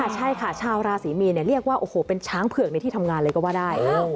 ใช่ค่ะชาวราศรีมีนเรียกว่าโอ้โหเป็นช้างเผือกในที่ทำงานเลยก็ว่าได้